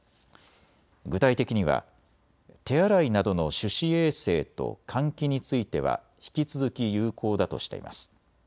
具体的には手洗いなどの手指衛生と換気については引き続き有効だとしています。